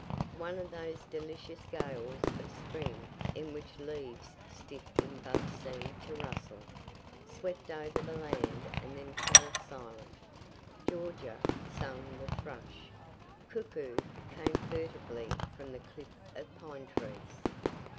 One of those delicious gales of spring, in which leaves stiff in bud seem to rustle, swept over the land and then fell silent. "Georgia," sang the thrush. "Cuckoo," came furtively from the cliff of pine trees.